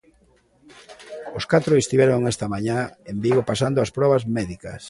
Os catro estiveron esta mañá en Vigo pasando as probas médicas.